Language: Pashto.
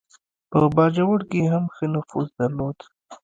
په باجوړ کې یې هم ښه نفوذ درلود.